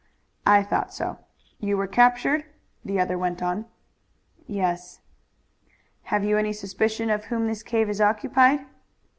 "I thought so." "You were captured?" the other went on. "Yes." "Have you any suspicion by whom this cave is occupied?"